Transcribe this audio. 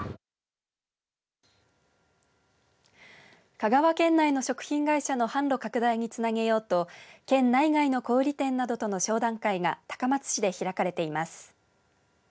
香川県内の食品会社の販路拡大につなげようと県内外の小売店などとの商談会が高松市で開かれています。